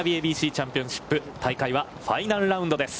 ＡＢＣチャンピオンシップ、大会はファイナルラウンドです。